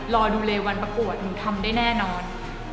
รอดูเลยวันประกวดหนูทำได้แน่นอน